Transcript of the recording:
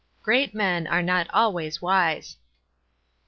Great men are not always wise."